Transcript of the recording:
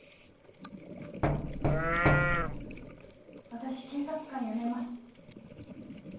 私警察官辞めます。